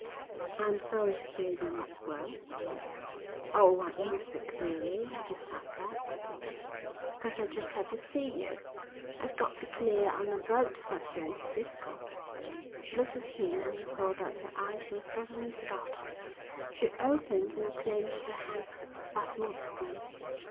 "I'm sorry to hear you're not well," he said. "Oh, I ain't sick really. I just said that, because I just had to see you. I've got to clear on a boat that's going to 'Frisco." She looked at him and he saw that her eyes were suddenly startled. She opened and clenched her hands spasmodically.